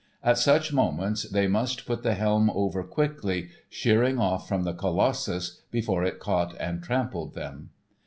At such moments they must put the helm over quickly, sheering off from the colossus before it caught and trampled them.